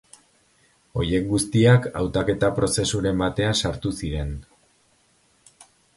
Horiek guztiak hautaketa-prozesuren batean sartu ziren.